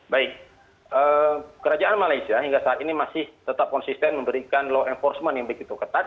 baik kerajaan malaysia hingga saat ini masih tetap konsisten memberikan law enforcement yang begitu ketat